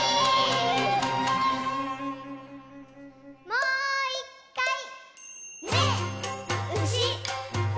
もう１かい！